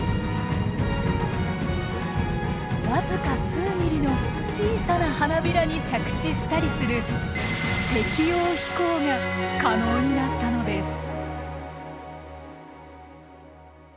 僅か数ｍｍの小さな花びらに着地したりする適応飛行が可能になったのです。